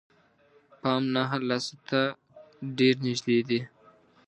پام نهه لسو ته ډېر نژدې دي.